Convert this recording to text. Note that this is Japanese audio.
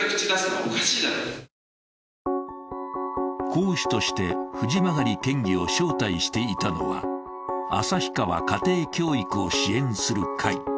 講師として藤曲県議を招待していたのは、旭川家庭教育を支援する会。